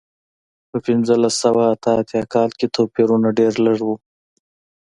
په پنځلس سوه اته اتیا کال کې توپیرونه ډېر لږ و.